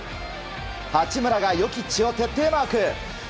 八村がヨキッチを徹底マーク。